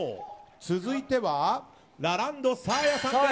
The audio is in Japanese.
続いては、ラランドサーヤさんです。